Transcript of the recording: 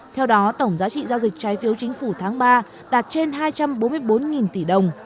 theo đó tổng giá trị giao dịch trái phiếu chính phủ tháng ba đạt trên hai trăm bốn mươi bốn tỷ đồng